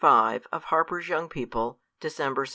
5 of HARPER'S YOUNG PEOPLE, December 2.